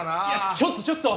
ちょっとちょっと！